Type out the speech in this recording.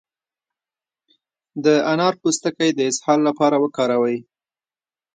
د انار پوستکی د اسهال لپاره وکاروئ